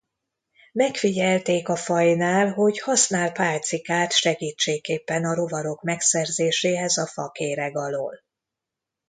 Megfigyelték a fajnál hogy használ pálcikát segítségképpen a rovarok megszerzéséhez a fakéreg alól.